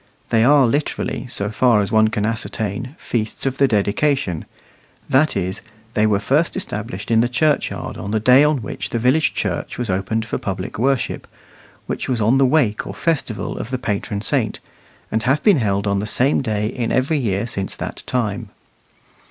They are literally, so far as one can ascertain, feasts of the dedication that is, they were first established in the churchyard on the day on which the village church was opened for public worship, which was on the wake or festival of the patron saint, and have been held on the same day in every year since that time.